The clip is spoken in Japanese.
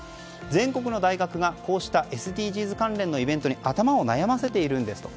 全国の大学がこうしたＳＤＧｓ関連のイベントに頭を悩ませているんですと。